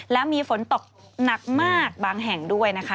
และมีฝนตกหนักมากบางแห่งด้วยนะคะ